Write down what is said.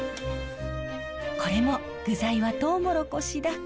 これも具材はトウモロコシだけ。